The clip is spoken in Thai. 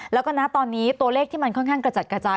แล้วก็นะตอนนี้ตัวเลขที่มันค่อนข้างกระจัดกระจาย